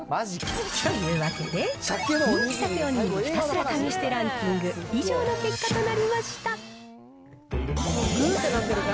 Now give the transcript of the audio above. というわけで、人気サケお握りひたすら試してランキング、以上の結果となりました。